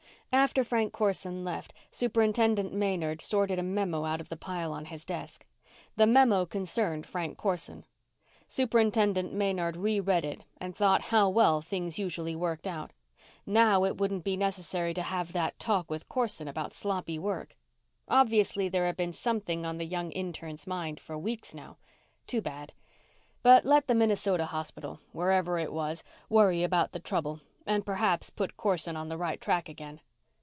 After Frank Corson left, Superintendent Maynard sorted a memo out of the pile on his desk. The memo concerned Frank Corson. Superintendent Maynard reread it and thought how well things usually worked out. Now it wouldn't be necessary to have that talk with Corson about sloppy work. Obviously there had been something on the young intern's mind for weeks now. Too bad. But let the Minnesota hospital, wherever it was, worry about the trouble and perhaps put Corson on the right track again.